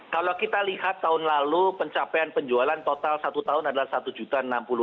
kalau kita lihat tahun lalu pencapaian penjualan total satu tahun adalah rp satu enam puluh